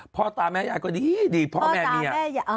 พ่อตาแม่ยายก็ดีพ่อแม่เมีย